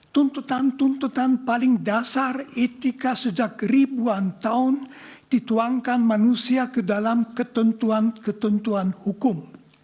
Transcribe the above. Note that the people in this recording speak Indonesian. tuntutan tuntutan paling dasar etika sejak ribuan tahun dituangkan manusia ke dalam ketentuan ketentuan hukum